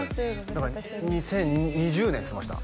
何か２０２０年っつってました